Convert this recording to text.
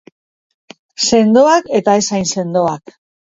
Sendoak eta ez hain sendoak.